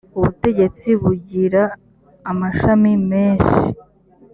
ubutegetsi bugira amashami meshi.